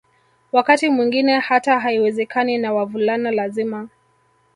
Wakati mwingine hata haiwezekani na wavulana lazima